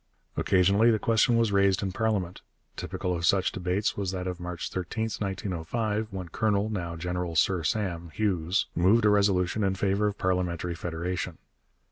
Occasionally the question was raised in parliament. Typical of such debates was that of March 13, 1905, when Colonel, now General Sir Sam, Hughes moved a resolution in favour of parliamentary federation.